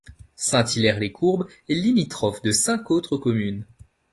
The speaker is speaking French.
Saint-Hilaire-les-Courbes est limitrophe de cinq autres communes.